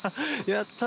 やった！